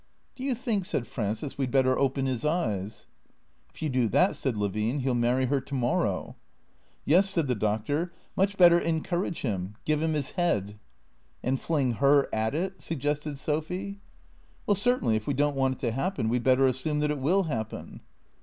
" Do you think," said Frances, " we 'd better open his eyes ?"" If you do that," said Levine, " he '11 marry her to mor row." " Yes," said the Doctor ;" much better encourage him, give him his head." " And fling her at it? " suggested Sophy. " Well, certainly, if we don't want it to happen, we 'd better assume that it will happen."